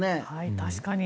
確かに。